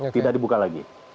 tidak dibuka lagi